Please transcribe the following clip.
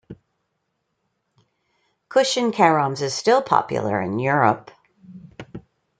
Cushion caroms is still popular in Europe.